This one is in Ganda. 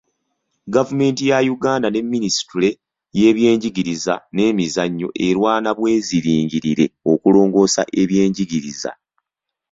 Gavumenti ya Uganda ne Minisitule y'ebyenjigiriza n'emizannyo erwana bweziringirire okulongoosa ebyenjigiriza.